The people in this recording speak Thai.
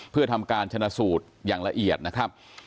เพื่อทำการชนะสูตรอย่างละเอียดนะครับ